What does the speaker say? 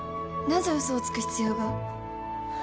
なぜ嘘をつく必要が？